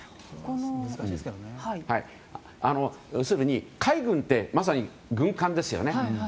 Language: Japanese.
要するに、海軍ってまさに軍艦ですよね。